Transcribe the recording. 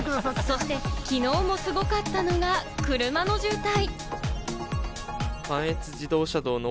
そして昨日もすごかったのが車の渋滞。